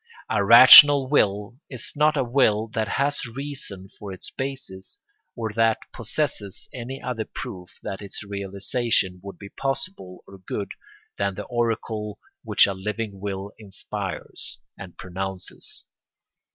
A rational will is not a will that has reason for its basis or that possesses any other proof that its realisation would be possible or good than the oracle which a living will inspires and pronounces.